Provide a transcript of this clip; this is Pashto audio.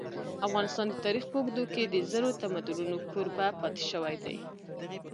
افغانستان د تاریخ په اوږدو کي د زرو تمدنونو کوربه پاته سوی دی.